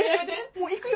もう行くよ！